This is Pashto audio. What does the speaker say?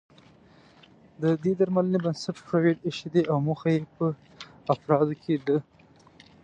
د دې درملنې بنسټ فرویډ اېښی دی او موخه يې په افرادو کې د